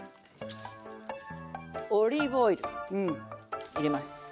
オリーブオイル入れます。